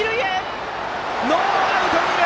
ノーアウト、二塁！